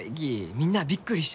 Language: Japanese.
みんなあびっくりしてのう。